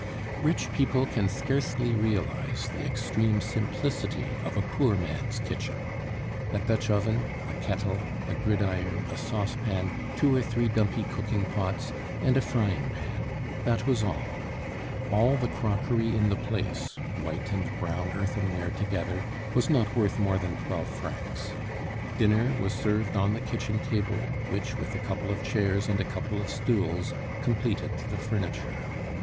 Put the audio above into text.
Rich people can scarcely realize the extreme simplicity of a poor man's kitchen. A Dutch oven, a kettle, a gridiron, a saucepan, two or three dumpy cooking pots, and a frying pan that was all. All the crockery in the place, white and brown earthenware together, was not worth more than twelve francs. Dinner was served on the kitchen table, which, with a couple of chairs and a couple of stools, completed the furniture.